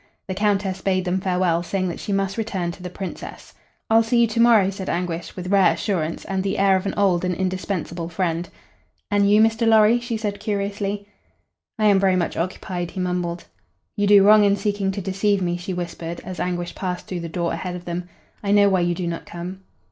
The Countess bade them farewell, saying that she must return to the Princess. "I'll see you to morrow," said Anguish, with rare assurance and the air of an old and indispensable friend. "And you, Mr. Lorry?" she said, curiously. "I am very much occupied," he mumbled. "You do wrong in seeking to deceive me," she whispered, as Anguish passed through the door ahead of them. "I know why you do not come."